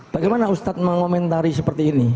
bagaimana ustadz mengomentari seperti ini